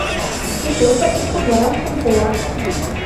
Kõige õpetlikum ja raskem hooaeg.